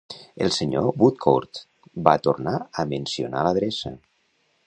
El senyor Woodcourt va tornar a mencionar l'adreça.